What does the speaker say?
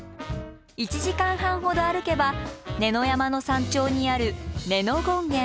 １時間半ほど歩けば子ノ山の山頂にある子ノ権現。